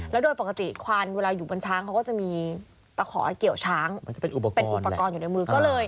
แล้วโดยปกติควันเวลาอยู่บนช้างเขาก็จะมีตะขอเกี่ยวช้างเป็นอุปกรณ์อยู่ในมือก็เลย